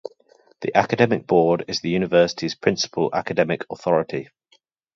The Academic Board is the University's principal academic authority.